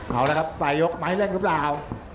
เอาแล้วครับใส่ยกไม้เร่งรึเปล่า